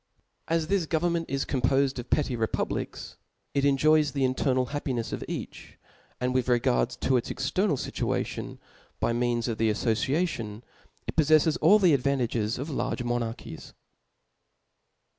As this government is compofed of petty repub lics, it enjoys the internal happinefs of each; and with regard to its external fituation, by means of the aflbciation, it poffeileth all the advantages of large monarchies.